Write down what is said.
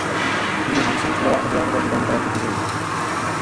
Mimo Řím se dochovala Hadriánova vila nedaleko Tivoli.